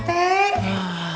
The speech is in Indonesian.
gak pak rete